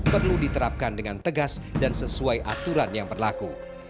perlu diterapkan dengan tegas dan sesuai aturan yang berlaku